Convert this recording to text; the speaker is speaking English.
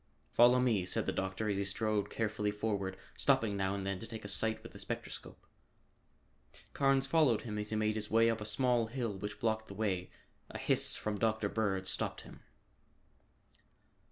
"Follow me," said the doctor as he strode carefully forward, stopping now and then to take a sight with the spectroscope. Carnes followed him as he made his way up a small hill which blocked the way. A hiss from Dr. Bird stopped him.